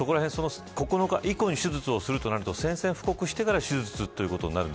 ９日以降に手術をするとなると宣戦布告をしてから手術